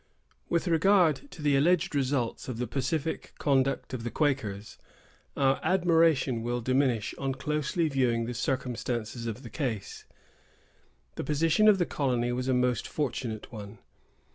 With regard to the alleged results of the pacific conduct of the Quakers, our admiration will diminish on closely viewing the circumstances of the case. The position of the colony was a most fortunate one.